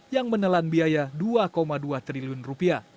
yang menelan biaya dua dua triliun